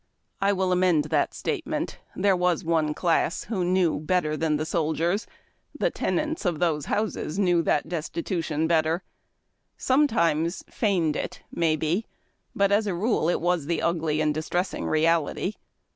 I will amend that statement. There tvas one class who knew better than the soldiers, — the tena7its of those houses knew that destitution better — sometimes feigned it, may be, but as a rule it Avas the ugly and distressing reality.